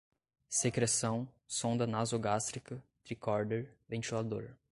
secreção, sonda nasogástrica, tricorder, ventilador